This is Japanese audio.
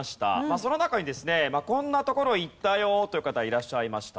その中にですねこんな所行ったよという方いらっしゃいました。